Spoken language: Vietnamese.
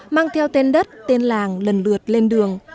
mang theo tên đất tên làng lần lượt lên đường